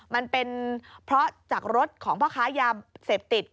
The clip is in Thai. มันเป็นเพราะจากรถของพ่อค้ายาเสพติด